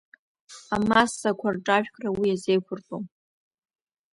Амассақәа рҿажәкра уи иазеиқәыртәом.